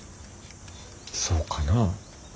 そうかなあ。